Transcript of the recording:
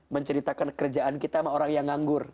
menceritakan kerjaan kita sama orang yang nganggur